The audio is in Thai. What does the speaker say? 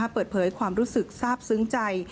เปิดเผยความรู้สึกทราบซึ้งใจ